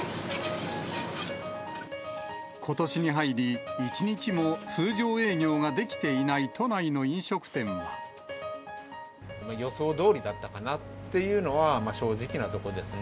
ことしに入り、１日も通常営業ができていない、都内の飲食店は。予想どおりだったかなっていうのは、まあ、正直なとこですね。